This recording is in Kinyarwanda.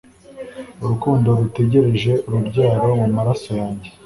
Urukundo rutegereje urubyaro mumaraso yanjye